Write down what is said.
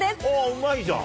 うまいじゃん。